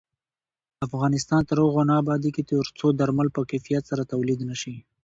افغانستان تر هغو نه ابادیږي، ترڅو درمل په کیفیت سره تولید نشي.